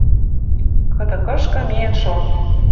Кыды-кышкы миэн шон!..»